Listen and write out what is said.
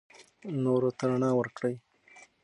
نورو ته رڼا ورکړئ.